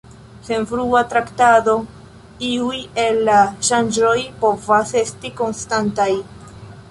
Sen frua traktado iuj el la ŝanĝoj povas esti konstantaj.